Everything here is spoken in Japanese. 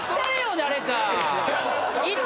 誰か。